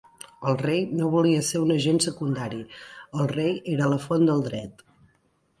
El Rei no volia ser un agent secundari, el Rei era la font del dret.